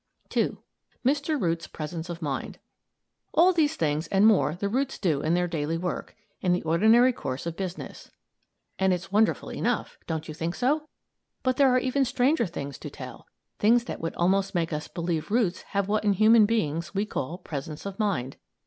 II. MR. ROOT'S PRESENCE OF MIND All these things and more the roots do in their daily work in the ordinary course of business. And it's wonderful enough. Don't you think so? But there are even stranger things to tell; things that would almost make us believe roots have what in human beings we call "presence of mind."